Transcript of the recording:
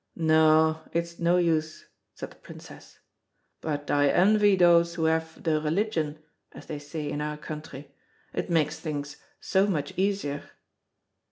"No, it's no use," said the Princess. "But I envy those who have 'the religion,' as they say in our country. It makes things so much easier."